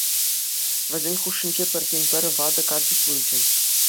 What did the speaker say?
Вӗсен хушшинче пӗртен-пӗр ватӑ карчӑк пулчӗ.